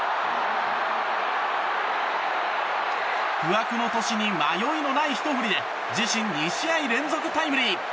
不惑の年に迷いのないひと振りで自身２試合連続タイムリー！